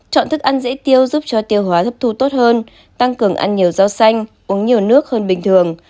chọn thức ăn dễ tiêu giúp cho tiêu hóa hấp thu tốt hơn tăng cường ăn nhiều rau xanh uống nhiều nước hơn bình thường